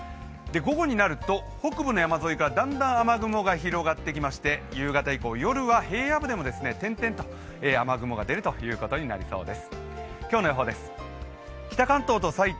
午後になると北部の山沿いからだんだん雨雲が広がってきまして、夕方以降、夜は平野部でも点々と雨雲で出ることになりそうです。